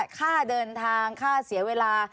ค่าเดินทางค่าเสียเวลา